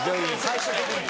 最終的に。